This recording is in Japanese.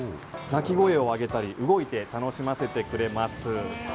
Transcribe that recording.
鳴き声を上げたり動いて楽しませてくれます。